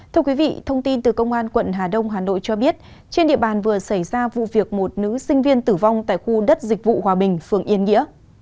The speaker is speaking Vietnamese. thưa quý vị thông tin từ công an quận hà đông hà nội cho biết trên địa bàn vừa xảy ra vụ việc một nữ sinh viên tử vong tại khu đất dịch vụ hòa bình phường yên nghĩa